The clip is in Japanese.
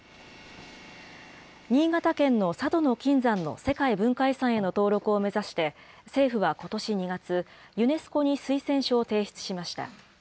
新潟県の佐渡島の金山の世界文化遺産への登録を目指して、政府はことし２月、ユネスコに推薦書を提出しました。